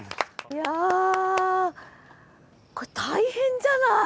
いやこれ大変じゃない？